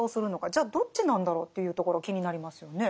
じゃあどっちなんだろうというところ気になりますよね。